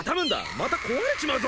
また壊れちまうぞ！